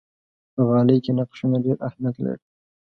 په غالۍ کې نقشونه ډېر اهمیت لري.